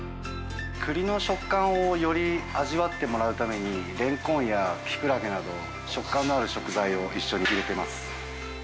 クリの食感をより味わってもらうために、レンコンやキクラゲなど、食感のある食材を一緒に入れてます。